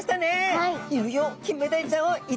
はい。